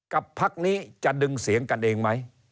พักนี้จะดึงเสียงกันเองไหม